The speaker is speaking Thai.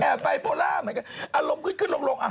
แอบไบโปรล่าเครื่องคืนลง